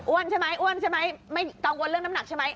ใช่ไหมอ้วนใช่ไหมไม่กังวลเรื่องน้ำหนักใช่ไหม